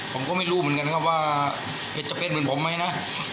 ผมก็ไม่รู้เหมือนกันครับว่าจะเป็นเหมือนผมไหมนะ